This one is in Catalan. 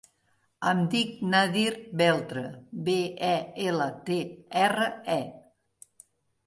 Em dic Nadir Beltre: be, e, ela, te, erra, e.